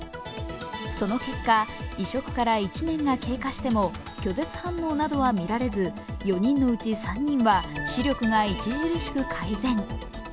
その結果、移植から１年が経過しても拒絶反応などは見られず、４人のうち３人は視力が著しく改善。